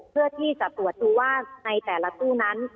เพื่อที่จะตรวจดูว่าในแต่ละตู้นั้น